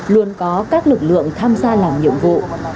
luôn có các lực lượng tham gia làm nhiệm vụ